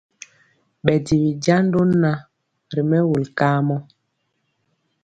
Ɓɛ jiwi jando na ri mɛwul kamɔ.